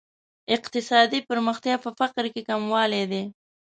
اقتصادي پرمختیا په فقر کې کموالی دی.